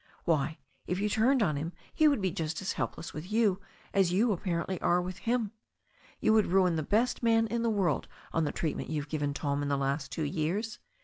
Why, if you turned on him he would be just as helpless with you as you apparently are with him. You would ruin the best man in the world on the treatment you've given Tom the last two years.